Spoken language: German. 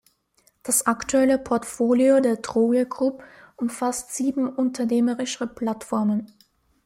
Das aktuelle Portfolio der Droege Group umfasst sieben unternehmerische Plattformen.